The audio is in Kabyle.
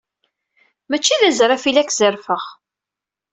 Mačči d azraf i la k-zerrfeɣ.